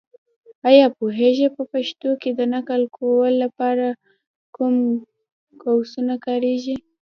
ایا پوهېږې؟ په پښتو کې د نقل قول لپاره کوم قوسونه کارېږي.